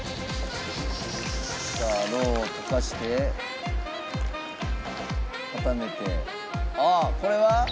さあろうを溶かして固めてああこれは。